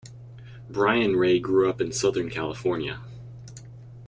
Brian Ray grew up in Southern California.